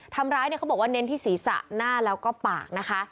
ทำร้ายเนี่ยเขาบอกว่าเน้นที่ศีรษะหน้าแล้วก็ปากนะคะ